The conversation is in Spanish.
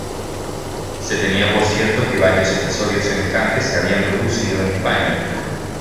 Se tenía por cierto que varios episodios semejantes se habían producido en España.